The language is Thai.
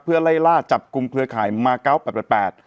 เพื่อไล่ล่าจับกลุ่มเครือข่ายมา๙๘๘๘